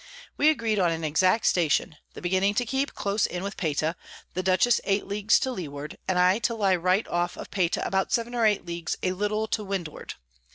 We agreed on an exact Station; the Beginning to keep close in with Payta, the Dutchess 8 Ls. to Leeward, and I to lie right off of Payta about 7 or 8 Ls. a little to Windward.